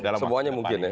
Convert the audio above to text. semuanya mungkin ya